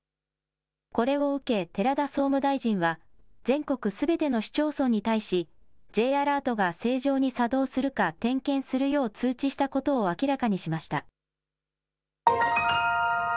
これを受け、寺田総務大臣は、全国すべての市町村に対し、Ｊアラートが正常に作動するか、点検するよう通知したことを明らかにしました。